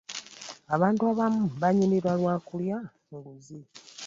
abantu abamu banyirira lwakulya nguzi.